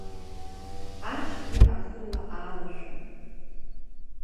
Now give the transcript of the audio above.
Ажьгьы аӷырла аалашәон.